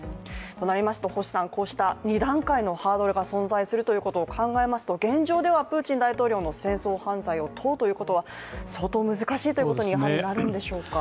そうなりますと星さん、こうした２段階のハードルが存在することを考えますと、現状ではプーチン大統領の戦争犯罪を問うということは相当難しいということになるんでしょうか。